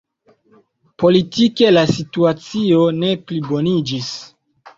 Politike la situacio ne pliboniĝis.